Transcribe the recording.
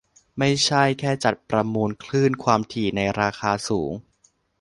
ไม่ใช่แค่จัดประมูลคลื่นความถี่ในราคาสูง